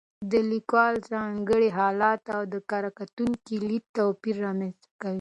د لیکوال ځانګړی حالت او د کره کتونکي لید توپیرونه رامنځته کوي.